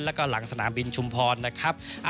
แล้วก็หลังสนามบินชุมพรนะครับ